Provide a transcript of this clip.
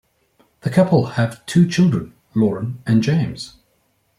The couple have two children, Lauren and James.